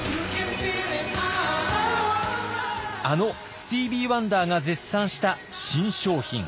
あのスティービー・ワンダーが絶賛した新商品。